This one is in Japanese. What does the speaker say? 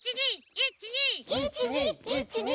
１２１２！